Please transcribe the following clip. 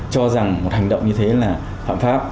cho rằng một hành động như thế là phạm pháp